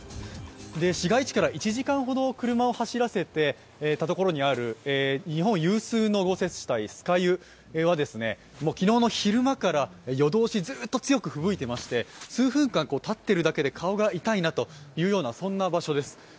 市街地から１時間ほど車を走らせて行ったところにある日本有数の豪雪地帯・酸ヶ湯は昨日の昼間から夜通しずっと強く吹雪いてまして数分間、立っているだけで顔が痛いなと、そんな場所です。